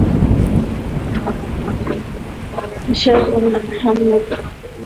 কোন দিবাস্বপ্নে সে আমাদেরকে ধোঁকা দেয়ার দুঃসাহস করল?